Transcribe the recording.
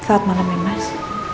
selamat malam ya mas